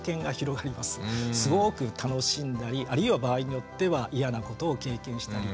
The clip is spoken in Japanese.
すごく楽しんだりあるいは場合によっては嫌なことを経験したりっていう。